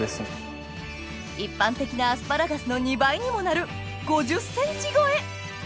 一般的なアスパラガスの２倍にもなる５０ｃｍ超え！